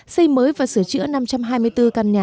xây mới và sửa chữa năm trăm hai mươi bốn căn nhà